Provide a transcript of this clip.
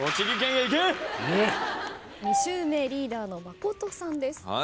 ２周目リーダーの真琴さんです。